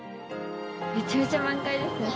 めちゃめちゃ満開ですね